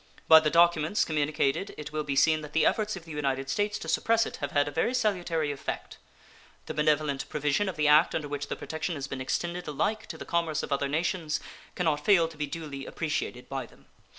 By the documents communicated it will be seen that the efforts of the United States to suppress it have had a very salutary effect. The benevolent provision of the act under which the protection has been extended alike to the commerce of other nations can not fail to be duly appreciated by them.